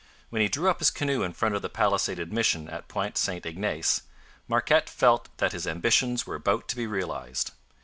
When he drew up his canoe in front of the palisaded mission at Point St Ignace, Marquette felt that his ambitions were about to be realized.